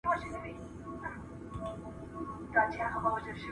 که د کليسا لارښوونې سمې وي اطاعت يې واجب دی.